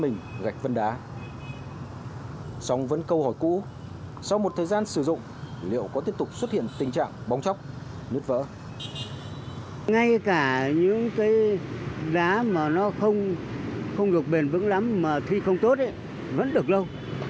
ngay cả những cái đá mà nó không được bền vững lắm mà thi không tốt vẫn được lâu